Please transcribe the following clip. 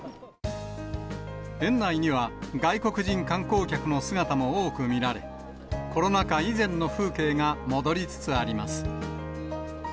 園内には外国人観光客の姿も多く見られ、コロナ禍以前の風景が戻りつつあります。